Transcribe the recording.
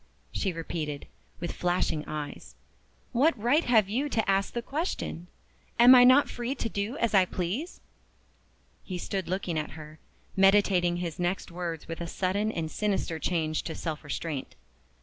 she repeated, with flashing eyes. "What right have you to ask the question? Am I not free to do as I please?" He stood looking at her, meditating his next words with a sudden and sinister change to self restraint.